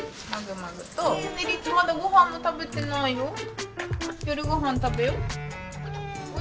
まだごはんも食べてないよ。